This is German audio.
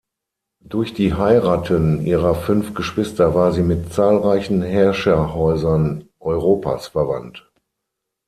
Durch die Heiraten ihrer fünf Geschwister war sie mit zahlreichen Herrscherhäusern Europas verwandt.